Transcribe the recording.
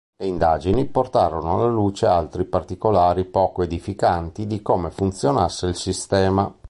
Le indagini portarono alla luce altri particolari poco edificanti di come funzionasse il sistema.